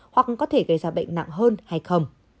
hoặc có thể gây ra bệnh nặng hơn hay không